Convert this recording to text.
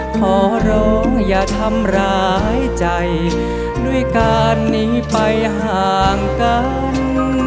ขอร้องอย่าทำร้ายใจด้วยการหนีไปห่างกัน